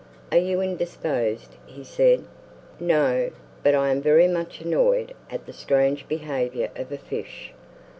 "Are you indisposed?" he said. "No; but I am very much annoyed at the strange behavior of a fish.